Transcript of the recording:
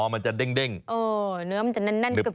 อ๋อมันจะเด้งเออเนื้อมันจะแน่นกรึบ